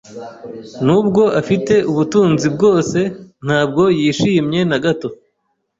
Nubwo afite ubutunzi bwose, ntabwo yishimye na gato.